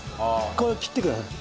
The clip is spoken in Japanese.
これを切ってください。